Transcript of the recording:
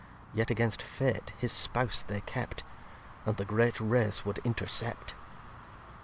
Yet, against Fate, his Spouse they kept; And the great Race would intercept.